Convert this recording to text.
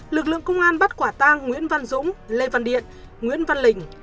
lực lượng công an bắt quả tang nguyễn văn dũng lê văn điện nguyễn văn lình